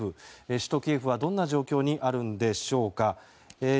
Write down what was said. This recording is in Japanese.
首都キエフはどんな状況にあるんでしょうか。